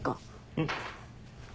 うん。